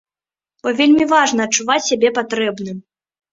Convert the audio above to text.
Бо вельмі важна адчуваць сябе патрэбным.